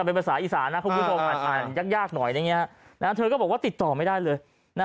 เป็นภาษาอีสานยากหน่อยนะเธอก็บอกว่าติดต่อไม่ได้เลยนะ